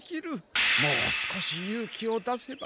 もう少し勇気を出せば。